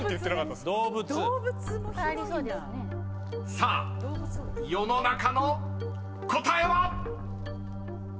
［さあ世の中の答えは⁉］